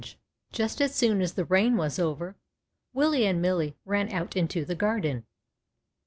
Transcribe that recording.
UST as soon as the rain was over Willie and Millie ran out into the garden.